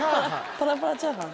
パラパラチャーハン？